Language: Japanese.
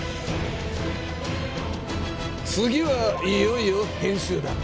次はいよいよ編集だ。